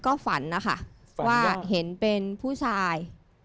ก็ฝันนะคะว่าเห็นเป็นผู้ชาย